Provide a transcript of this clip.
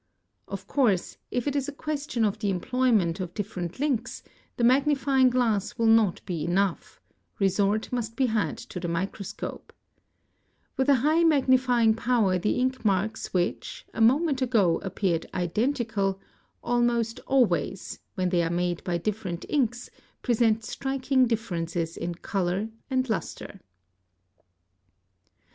Of course, if it 1s a question of the SS AAAS ROLE CA AT TE A RE Pica nA Lives de eae 772 CHEATING AND FRAUD employment of different inks, the magnifying glass will not be enough, resort must be had to the microscope. With a high magnifying power the ink marks which, a moment ago, appeared identical, almost always, when they are made by different inks, present striking differences in colour and lustre.